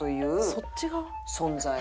そっち側？